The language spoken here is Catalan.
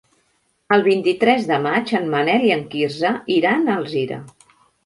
El vint-i-tres de maig en Manel i en Quirze iran a Alzira.